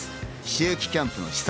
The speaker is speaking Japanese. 秋季キャンプの視察